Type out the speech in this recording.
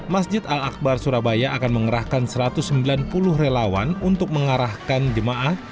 masjid al akbar surabaya akan mengerahkan satu ratus sembilan puluh relawan untuk mengarahkan jemaah